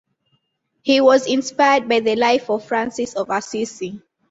He was inspired by the life of Francis of Assisi.